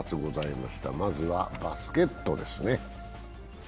まずはバスケットですね。